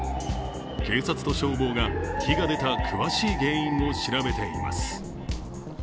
警察と消防が、火が出た詳しい原因を調べています。